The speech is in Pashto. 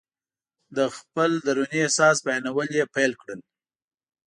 د خپل دروني احساس بیانول یې پیل کړل.